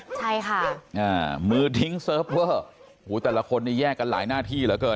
ใช่ค่ะอ่ามือทิ้งเซิร์ฟเวอร์โหแต่ละคนเนี่ยแยกกันหลายหน้าที่เหลือเกิน